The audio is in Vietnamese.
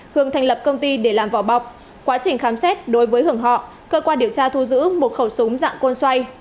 hưởng thành lập công ty để làm vỏ bọc quá trình khám xét đối với hưởng họ cơ quan điều tra thu giữ một khẩu súng dạng côn xoay